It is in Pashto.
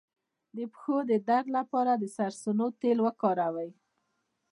د پښو د درد لپاره د سرسونو تېل وکاروئ